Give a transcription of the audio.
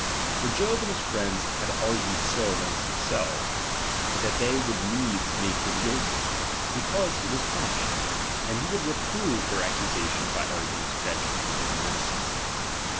Fof Job and his friends had argued so among them selves ; that they would needs make him guilty) because he was punished ; and he would repror^ their accusation by arguments fetched from hi^ own innocence.